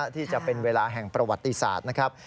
ที่จะเป็นเวลาแห่งประวัติศาสตร์นะครับ